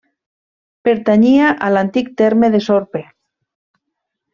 Pertanyia a l'antic terme de Sorpe.